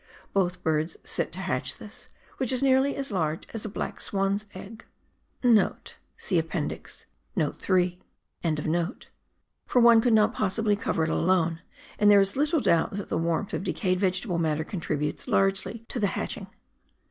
Both birds sit to hatch this, which is nearly as large as a black swan's egg* for one could not possibly cover it alone, and there is little doubt that the warmth of decayed vegetable matter contributes largely to the hatching.